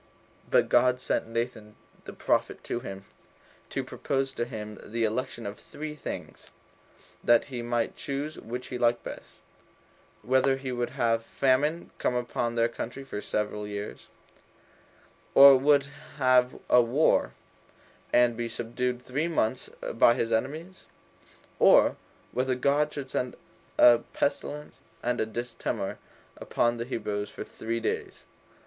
But God sent Nathan the prophet to him, to propose to him the election of three things, that he might choose which he liked best: Whether he would have famine come upon the country for seven years, or would have a war, and be subdued three months by his enemies? or, whether God should send a pestilence and a distemper upon the Hebrews for three days?